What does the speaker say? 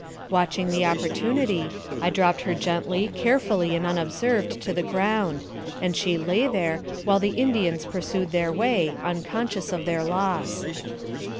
Watching the opportunity, I dropped her gently, carefully, and unobserved, to the ground, and she lay there, while the Indians pursued their way, uncon scious of their loss.